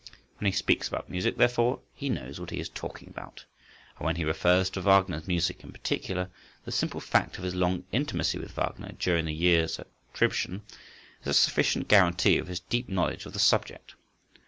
When he speaks about music, therefore, he knows what he is talking about, and when he refers to Wagner's music in particular, the simple fact of his long intimacy with Wagner during the years at Tribschen, is a sufficient guarantee of his deep knowledge of the subject.